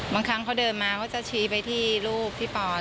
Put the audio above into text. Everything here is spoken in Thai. บางครั้งเขาเดินมาเขาจะชี้ไปที่รูปพี่ปอน